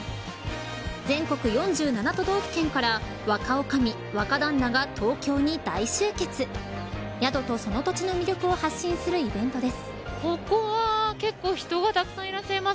全国４７都道府県から若おかみ、若旦那が東京に大集結宿とその土地の魅力を発信するイベントです。